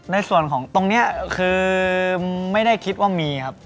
ในส่วนของตรงนี้คือไม่ได้คิดว่ามีครับ